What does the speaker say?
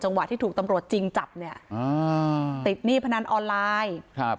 ที่ถูกตำรวจจริงจับเนี่ยอ่าติดหนี้พนันออนไลน์ครับ